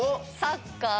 「サッカー」？